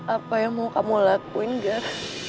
apa yang mau kamu lakuin gak